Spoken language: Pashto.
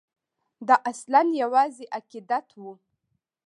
دا اصلاً یوازې عقیدت وي.